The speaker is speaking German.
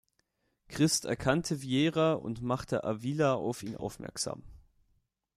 Christ erkannte Viera und machte Avila auf ihn aufmerksam.